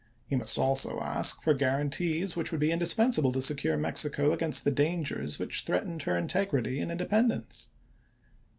He must also ask for guarantees which would be indispensable to secure Mexico against the dangers which threatened her integrity and independence.